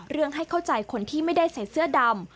ให้เข้าใจคนที่ไม่ได้ใส่เสื้อดำ